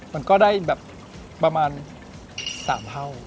มันก็ได้แบบประมาณ๓เท่า